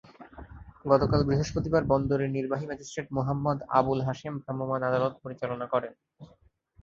গতকাল বৃহস্পতিবার বন্দরের নির্বাহী ম্যাজিস্ট্রেট মুহাম্মদ আবুল হাশেম ভ্রাম্যমাণ আদালত পরিচালনা করেন।